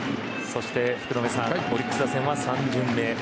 そして、福留さんオリックス打線は３巡目。